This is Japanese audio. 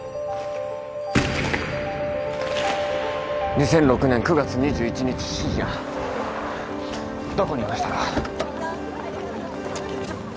２００６年９月２１日深夜どこにいましたか？